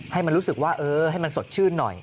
ให้มันรู้สึกว่าเออให้มันสดชื่นหน่อย